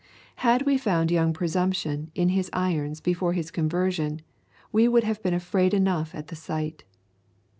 Had we found young Presumption in his irons before his conversion, we would have been afraid enough at the sight.